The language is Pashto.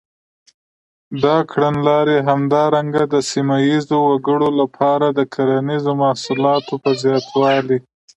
دا کړنلارې همدارنګه د سیمه ییزو وګړو لپاره د کرنیزو محصولاتو په زباتوالي.